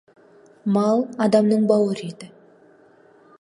Мал — адамның бауыр еті.